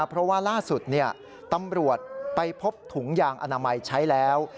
เพราะว่าล่าสุดตำรวจไปพบถุงยางอนามัยใช้แล้ว